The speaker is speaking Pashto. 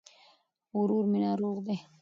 ورور مي ناروغ دي